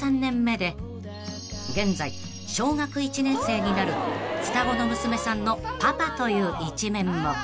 ［現在小学１年生になる双子の娘さんのパパという一面も］